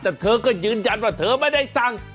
แต่เธอก็ยืนยันว่าเธอไม่ได้สั่ง